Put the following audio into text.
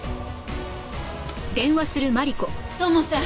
土門さん！